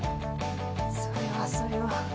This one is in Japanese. それはそれは。